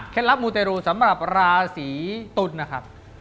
แค่รับมูตรรูปสำหรับราศีตุลนะครับ